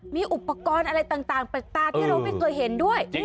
มีอุปกรณ์อะไรต่างแปลกตาที่เราไม่เคยเห็นด้วย